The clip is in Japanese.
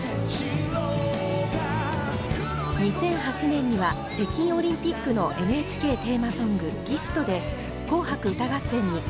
２００８年には北京オリンピックのＮＨＫテーマソング「ＧＩＦＴ」で「紅白歌合戦」に初出場を果たしました。